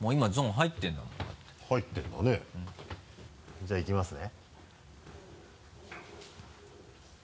じゃあいきますね。